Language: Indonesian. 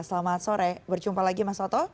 selamat sore berjumpa lagi mas oto